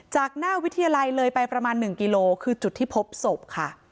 จากหน้าวิทยาลัยเลยไปประมาณ๑กิโลคือจุดที่พบศพค่ะ